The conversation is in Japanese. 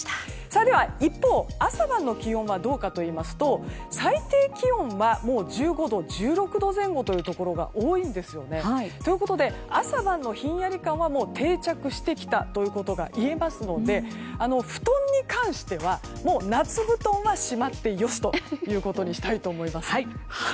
一方、朝晩の気温はどうかといいますと最低気温はもう１５度１６度前後というところが多いんですね。ということで朝晩のひんやり感は定着してきたということが言えますので布団に関してはもう夏布団はしまって良しとしたいと思います。